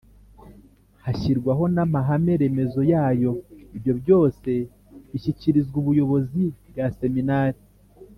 hashyirwaho n'amahame remezo yayo, ibyo byose bishyikirizwa ubuyobozi bwa Seminari